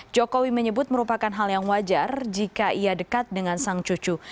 jokowi menyebut merupakan hal yang wajar jika ia dekat dengan sang cucu